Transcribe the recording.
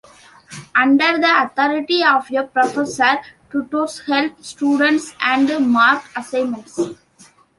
Under the authority of a professor, tutors help students and mark assignments.